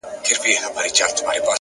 چي سترگو ته يې گورم؛ وای غزل لیکي؛